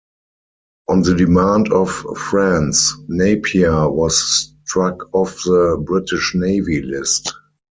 On the demand of France Napier was struck off the British navy list.